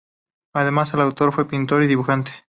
Además de autor, fue pintor y dibujante.